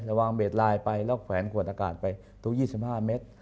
วางเบดลายไปแล้วแขวนขวดอากาศไปทุก๒๕เมตร